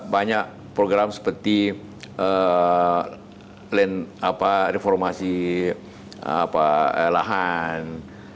banyak program seperti reformasi lahan